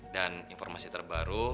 dan informasi terbaru